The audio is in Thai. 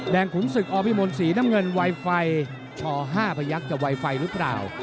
ขุนศึกอพิมลสีน้ำเงินไวไฟช๕พยักษ์จะไวไฟหรือเปล่า